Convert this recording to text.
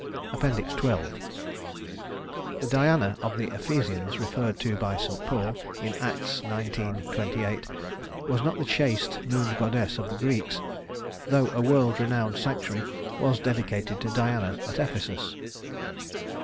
XII The Diana of the Ephesians, referred to by St. Paul in Acts xix: 28, was not the chaste moon goddess of the Greeks, though a world renowned sanctuary was dedicated to Diana at Ephesus.